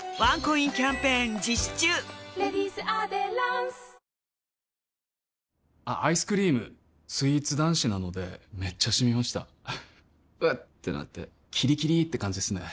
あしたの朝はおそらくあっアイスクリームスイーツ男子なのでめっちゃシミました「うっ」ってなってキリキリって感じですね